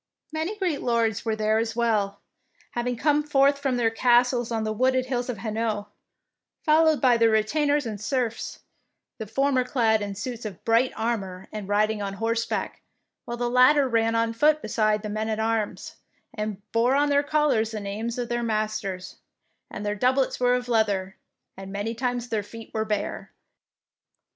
Many great lords there were as well, having come forth from their castles on the wooded hills of Hainault, fol lowed by their retainers and serfs, the 62 THE PEINCESS WINS former clad in suits of bright armour and riding on horseback, while the lat ter ran on foot beside the men at arms, and bore on their collars the names of their masters, and their doublets were of leather, and many times their feet were bare.